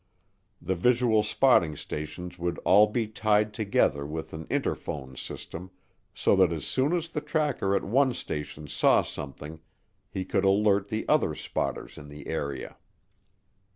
The visual spotting stations would all be tied together with an interphone system, so that as soon as the tracker at one station saw something he could alert the other spotters in the area.